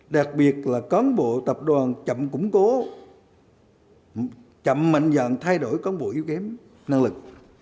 đặc biệt là cán bộ tập đoàn chậm củng cố chậm mạnh dạng thay đổi con bộ yếu kém năng lực